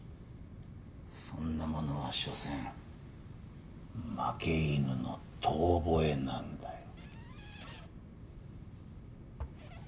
そんなものはしょせん負け犬の遠ぼえなんだよ。